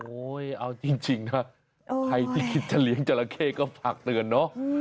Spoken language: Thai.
เอาจริงนะใครที่คิดจะเลี้ยงจราเข้ก็ฝากเตือนเนอะ